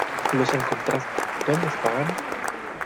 Los encontraste. ¿ Dónde estaban?